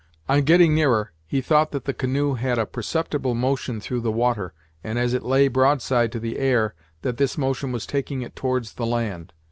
On getting nearer, he thought that the canoe had a perceptible motion through the water, and, as it lay broadside to the air, that this motion was taking it towards the land.